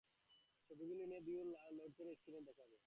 ছবিগুলো নিয়ে ভিউয়ারে লোড করে স্ক্রিনে দেখাবে?